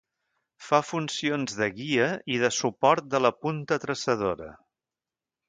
Fa funcions de guia i de suport de la punta traçadora.